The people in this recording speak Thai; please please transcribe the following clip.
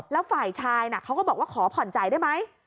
แล้วฝ่ายชายเขาก็บอกว่าขอผ่อนจ่ายได้ไหม